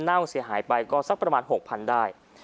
เน่าเสียหายไปก็สักประมาณ๖๐๐๐ได้